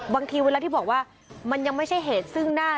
เวลาที่บอกว่ามันยังไม่ใช่เหตุซึ่งหน้า